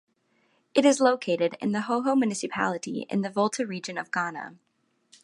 It is located in the Hohoe Municipality in the Volta Region of Ghana.